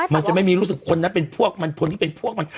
มันจะไม่มีรู้สึกคนนั้นเป็นพวกมันคนที่เป็นพวกมัน